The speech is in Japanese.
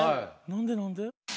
何で何で？